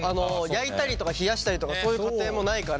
焼いたりとか冷やしたりとかそういう過程もないから。